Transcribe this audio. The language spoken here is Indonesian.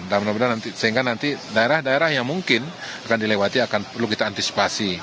dan sehingga nanti daerah daerah yang mungkin akan dilewati akan perlu kita antisipasi